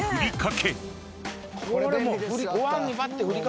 これもう。